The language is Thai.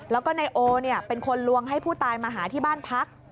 แล้วก็นายโอเป็นคนลวงให้ผู้ตายมาหาที่บ้านพัก